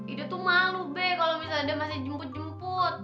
ide tuh malu be kalau misalnya dia masih jemput jemput